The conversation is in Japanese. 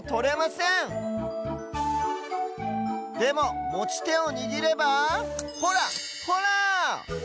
でももちてをにぎればほらほら！